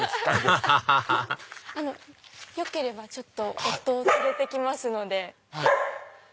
ハハハハよければ夫を連れてきますので。